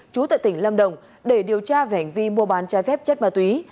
trú tại tỉnh lâm đồng để điều tra về hành vi mua bán trái phép chất ma túy